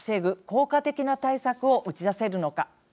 効果的な対策を打ち出せるのか。